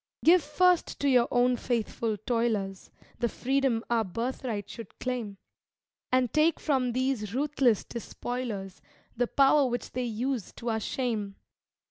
Give first to your own faithful toilers The freedom our birthright should claim, And take from these ruthless despoilers The power which they use to our shame.